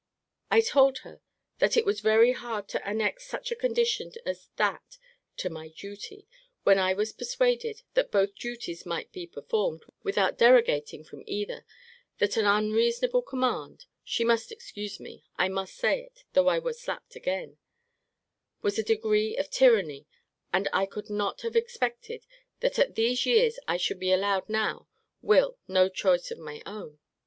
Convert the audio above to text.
I told her, that it was very hard to annex such a condition as that to my duty; when I was persuaded, that both duties might be performed, without derogating from either: that an unreasonable command (she must excuse me, I must say it, though I were slapped again) was a degree of tyranny: and I could not have expected, that at these years I should be allowed now will, no choice of my own!